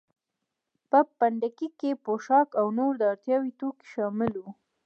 په پنډکي کې پوښاک او نور د اړتیا توکي شامل وو.